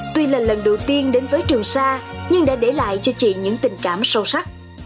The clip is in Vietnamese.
tuy là lần đầu tiên đến với trường sa nhưng đã để lại cho chị những tình cảm sâu sắc